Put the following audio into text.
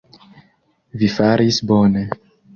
Vi faris bone.